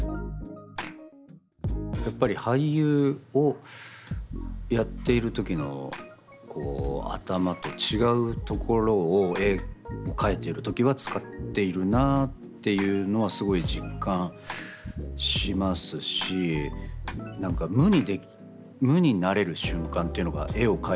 やっぱり俳優をやっている時の頭と違うところを絵を描いてる時は使っているなっていうのはすごい実感しますしなんか無にでき無になれる瞬間というのが絵を描いてる時なんですよね。